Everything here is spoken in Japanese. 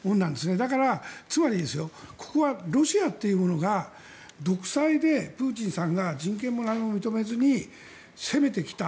だから、つまりここはロシアというものが独裁で、プーチンさんが人権も何も認めずに攻めてきた。